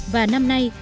và năm nay